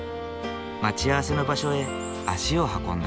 待ち合わせの場所へ足を運んだ。